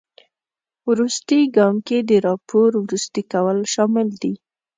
وروستي ګام کې د راپور وروستي کول شامل دي.